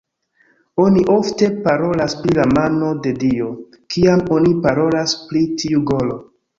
Oni ofte parolas pri "la mano de dio" kiam oni parolas pri tiu golo.